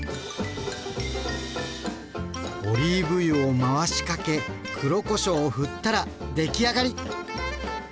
オリーブ油を回しかけ黒こしょうをふったら出来上がり。